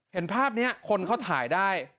เห็นภาพนี้คนเขาถ่ายได้